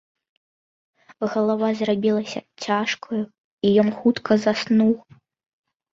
Галава зрабілася цяжкаю, і ён хутка заснуў.